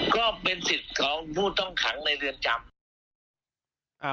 ก็เป็นสิทธิ์ของผู้ต้องขังในเรือนจำ